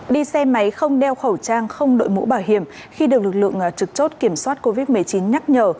đi xe máy không đeo khẩu trang không đội mũ bảo hiểm khi được lực lượng trực chốt kiểm soát covid một mươi chín nhắc nhở